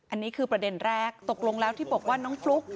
อันนี้คือประเด็นแรกตกลงแล้วที่บอกว่าน้องฟลุ๊ก